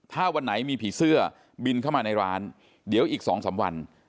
ถ้าวันไหนมีผีเสื้อบินเข้ามาในร้านเดี๋ยวอีก๒๓วัน